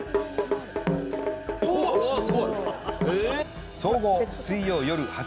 おお、すごい！